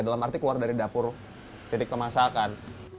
dalam arti keluar dari dapur titik kemasan